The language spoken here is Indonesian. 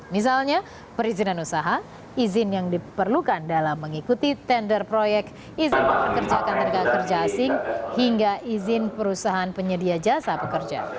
misalnya perizinan usaha izin yang diperlukan dalam mengikuti tender proyek izin pekerja asing hingga izin perusahaan penyedia jasa pekerja